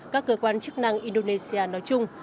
các cơ quan chức năng indonesia nói chung